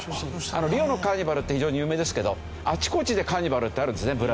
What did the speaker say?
リオのカーニバルって非常に有名ですけどあちこちでカーニバルってあるんですねブラジルでね。